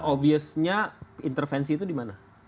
nah obviousnya intervensi itu dimana